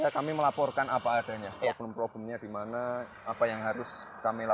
ya kami melaporkan apa adanya problem problemnya di mana apa yang harus dilakukan dan bagaimana cara